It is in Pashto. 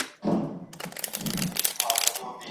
هغي افغان سرتېرو ته په جګړه کي مورال ورکړ.